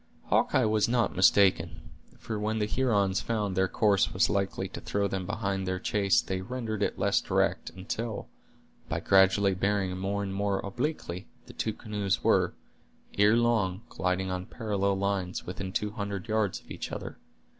Hawkeye was not mistaken; for when the Hurons found their course was likely to throw them behind their chase they rendered it less direct, until, by gradually bearing more and more obliquely, the two canoes were, ere long, gliding on parallel lines, within two hundred yards of each other.